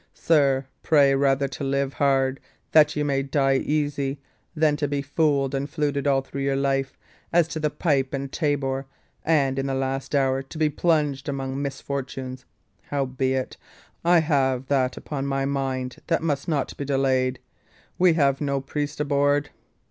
Sir, pray rather to live hard, that ye may die easy, than to be fooled and fluted all through life, as to the pipe and tabor, and, in the last hour, be plunged among misfortunes! Howbeit, I have that upon my mind that must not be delayed. We have no priest aboard?"